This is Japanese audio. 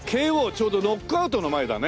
ちょうどノックアウトの前だね。